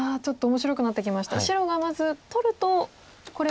白がまず取るとこれは。